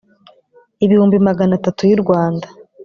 ibihumbi magana atatu y u rwanda